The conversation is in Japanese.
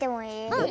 うん！